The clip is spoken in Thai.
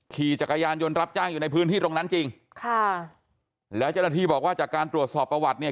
ขี่จักรยานยนต์รับจ้างอยู่ในพื้นที่ตรงนั้นจริงค่ะแล้วเจ้าหน้าที่บอกว่าจากการตรวจสอบประวัติเนี่ย